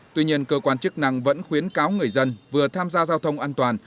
tuy nhiên cơ quan chức năng vẫn khuyến cáo người dân vừa tham gia giao thông an toàn